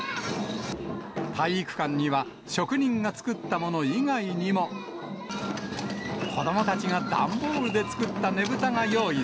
体育館には、職人が作ったもの以外にも、子どもたちが段ボールで作ったね